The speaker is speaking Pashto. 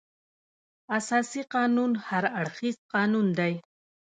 اساسي قانون هر اړخیز قانون دی.